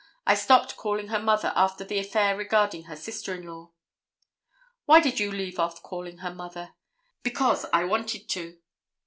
I stopped calling her mother after the affair regarding her sister in law." "Why did you leave off calling her mother?" "Because I wanted to."